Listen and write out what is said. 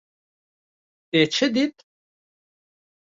Te çi dît?